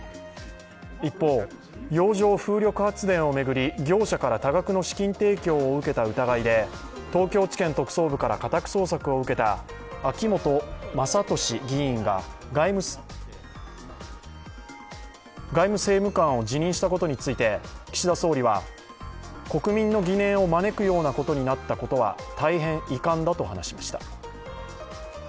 一方、洋上風力発電を巡り業者から多額の資金提供を受けた疑いで東京地検特捜部から家宅捜索を受けた秋本真利議員が外務政務官を辞任したことについて岸田総理は国民の疑念を招くようなことになったことは大変遺憾だと話しました。